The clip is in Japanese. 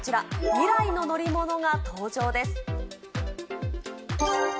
未来の乗り物が登場です。